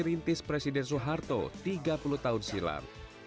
rintis presiden soeharto tiga puluh tahun silam